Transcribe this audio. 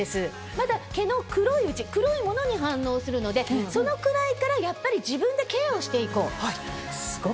まだ毛の黒いうち黒いモノに反応するのでそのくらいからやっぱり自分でケアをしていこう。